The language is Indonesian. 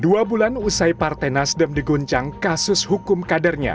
dua bulan usai partai nasdem diguncang kasus hukum kadernya